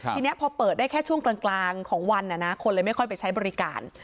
ทีนี้พอเปิดได้แค่ช่วงกลางของวันคนเลยไม่ค่อยไปใช้บริการ